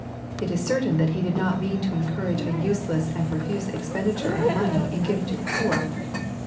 It is ceitain that He did not mean to encourage a useless and pro fuse expenditure of money in giving to the poor.